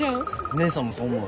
姉さんもそう思う？